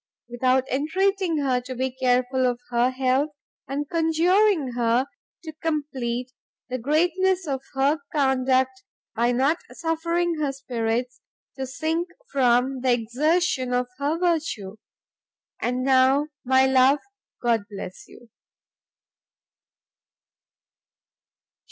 without entreating her to be careful of her health, and conjuring her to compleat the greatness of her conduct, by not suffering her spirits to sink from the exertion of her virtue. And now my love, God bless you!"